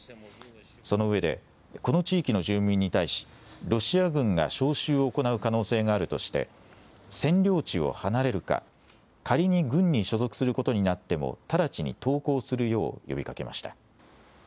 その上で、この地域の住民に対し、ロシア軍が招集を行う可能性があるとして、占領地を離れるか、仮に軍に所属することになっても直ちに投降するよう呼びかけました。